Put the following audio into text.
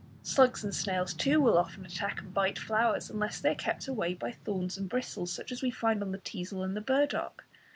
Slugs and snails too will often attack and bite flowers, unless they are kept away by thorns and bristles, such as we find on the teazel and the burdock.